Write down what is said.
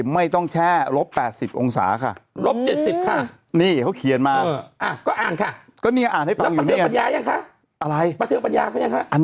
ไม่ต้องแช่ว่าลบ๘๐องศาค่ะ